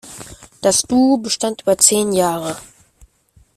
Das Duo bestand über zehn Jahre.